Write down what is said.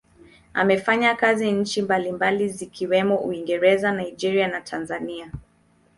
Amefanya kazi nchi mbalimbali zikiwemo Uingereza, Nigeria na Tanzania.